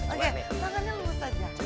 oke tangannya lu saja